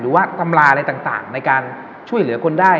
หรือว่าตำราอะไรต่างในการช่วยเหลือคนได้